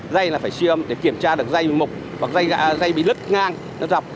dây là phải siêu âm để kiểm tra được dây mục hoặc dây bị lứt ngang nó dọc